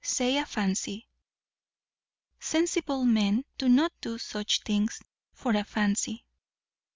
Say, a fancy." "Sensible men do not do such things for a fancy.